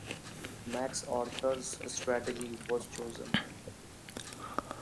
MacArthur's strategy was chosen.